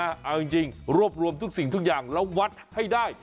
เอาจริงรวบรวมทุกสิ่งทุกอย่างแล้ววัดให้ได้